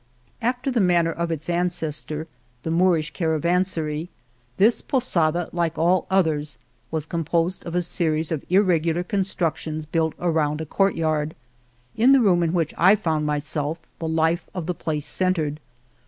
After the manner of its ancestor, the Moor ish caravanserai, this posada, like all others, was composed of a series of irregular con structions built around a courtyard. In the room in which I found myself the life of the place centred.